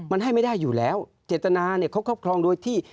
มันให้ไม่ได้อยู่แล้วเจตนาเนี่ยเขาครอบครองโดยที่